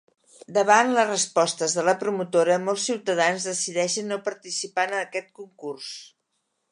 Davant les respostes de la promotora molts ciutadans decideixen no participar en aquest concurs.